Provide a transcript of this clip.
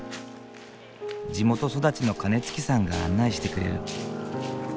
地元育ちの金築さんが案内してくれる。